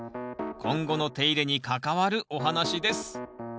今後の手入れに関わるお話です